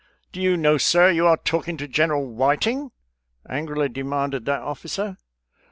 " Do you know, sir, you are talking to General Whiting? " angrily demanded that officer.